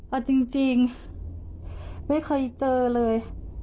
เอาจริงไม่เคยเจอเลย